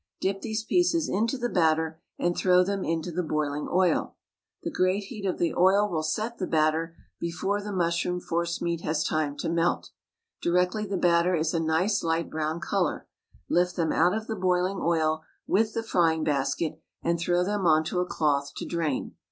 Dip these pieces into the batter and throw them into the boiling oil. The great heat of the oil will set the batter before the mushroom force meat has time to melt. Directly the batter is a nice light brown colour, lift them out of the boiling oil with the frying basket, and throw them on to a cloth to drain.